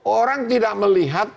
orang tidak melihat